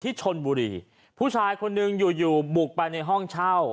ที่ชนบุรีผู้ชายคนหนึ่งอยู่อยู่บุกไปในห้องเช่า